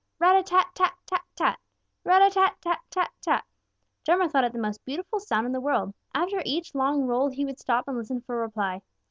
Rat a tat tat tat tat! Rat a tat tat tat tat! Drummer thought it the most beautiful sound in the world. After each long roll he would stop and listen for a reply.